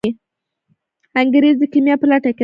انګریز د کیمیا په لټه کې دی.